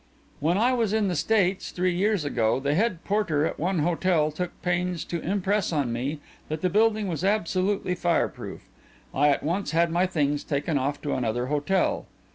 "When I was in the States, three years ago, the head porter at one hotel took pains to impress on me that the building was absolutely fireproof. I at once had my things taken off to another hotel.